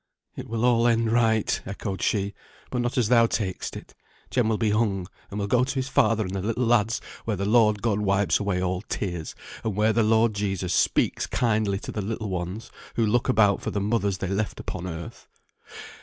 "It will all end right," echoed she; "but not as thou tak'st it. Jem will be hung, and will go to his father and the little lads, where the Lord God wipes away all tears, and where the Lord Jesus speaks kindly to the little ones, who look about for the mothers they left upon earth.